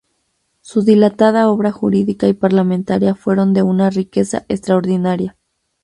Su dilatada obra jurídica y parlamentaria fueron de una riqueza extraordinaria.